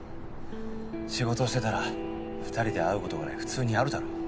仕事してたら２人で会うことぐらい普通にあるだろ。